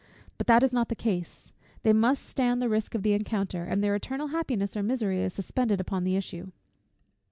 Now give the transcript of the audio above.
But that is not the case; they must stand the risk of the encounter, and their eternal happiness or misery is suspended upon the issue.